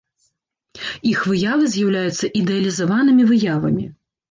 Іх выявы з'яўляюцца ідэалізаванымі выявамі.